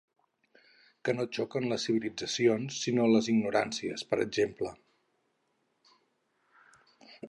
Que no xoquen les civilitzacions sinó les ignoràncies, per exemple.